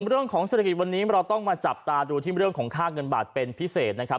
เรื่องของเศรษฐกิจวันนี้เราต้องมาจับตาดูที่เรื่องของค่าเงินบาทเป็นพิเศษนะครับ